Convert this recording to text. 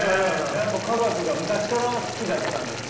やっぱ化学が昔から好きだったんですか？